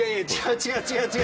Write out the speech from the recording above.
違う！